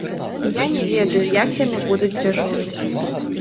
Я не ведаю, як яны будуць дзяжурыць.